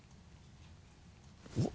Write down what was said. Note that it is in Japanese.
おっ？